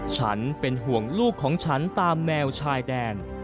ฉันเป็นห่วงลูกของฉันตามแนวชายแดน